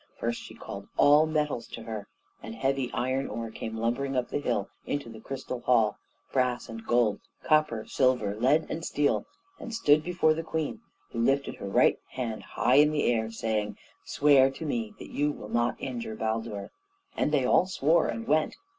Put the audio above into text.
First she called all metals to her; and heavy iron ore came lumbering up the hill into the crystal hall, brass and gold, copper, silver, lead, and steel, and stood before the Queen, who lifted her right hand high in the air, saying, "Swear to me that you will not injure Baldur"; and they all swore, and went.